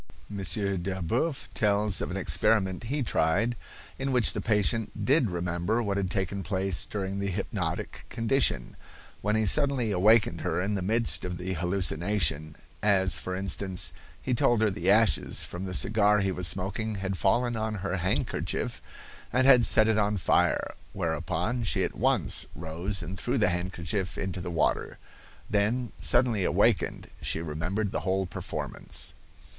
M. Delboeuf tells of an experiment he tried, in which the patient did remember what had taken place during the hypnotic condition, when he suddenly awakened her in the midst of the hallucination; as, for instance, he told her the ashes from the cigar he was smoking had fallen on her handkerchief and had set it on fire, whereupon she at once rose and threw the handkerchief into the water. Then, suddenly awakened, she remembered the whole performance.